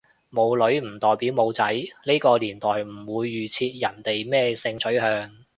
冇女唔代表冇仔，呢個年代唔會預設人哋咩性取向